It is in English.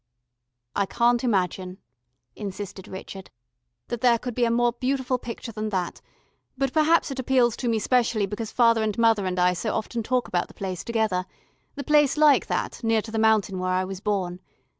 "I can't imagine," insisted Richard, "that there could be a more beautiful picture than that, but perhaps it appeals to me specially because father and mother and I so often talk about the place together the place like that, near to the mountain where I was born.